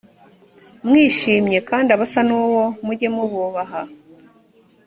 mwishimye kandi abasa n uwo mujye mububaha